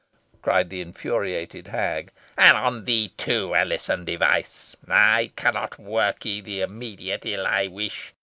cried the infuriated hag, "and on thee too, Alizon Device, I cannot work ye the immediate ill I wish.